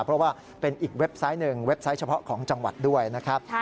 เพราะว่าเป็นอีกเว็บไซต์หนึ่งเว็บไซต์เฉพาะของจังหวัดด้วยนะครับ